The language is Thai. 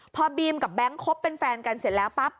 พอบีมกับแบงค์คบเป็นแฟนกันเสร็จแล้วปั๊บ